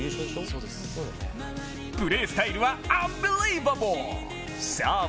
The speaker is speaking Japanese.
プレースタイルはアンビリーバボー！